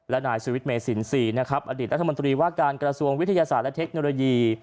และนายสุวิทย์เมสินทรีย์นะครับอดีตรัฐมนตรีว่าการกระทรวงวิทยาศาสตร์และเทคโนโลยี